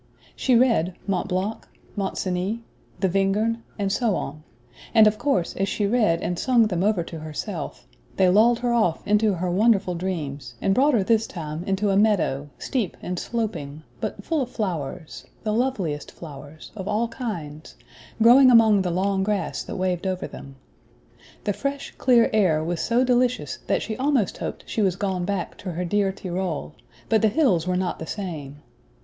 She read Mount Blanc, Mount Cenis, the Wengern, and so on; and of course as she read and sung them over to herself, they lulled her off into her wonderful dreams, and brought her this time into a meadow, steep and sloping, but full of flowers, the loveliest flowers, of all kinds, growing among the long grass that waved over them. The fresh clear air was so delicious that she almost hoped she was gone back to her dear Tyrol; but the hills were not the same.